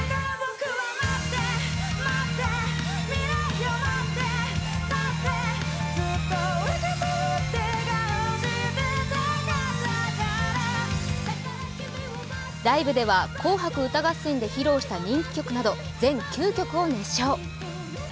ライブでは「紅白歌合戦」で披露した人気曲など、全９曲を熱唱。